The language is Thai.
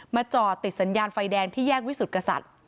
จอดติดสัญญาณไฟแดงที่แยกวิสุทธิกษัตริย์